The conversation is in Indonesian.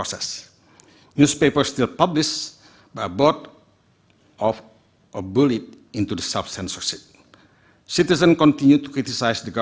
sebagai usaha untuk memperbaiki demokrasi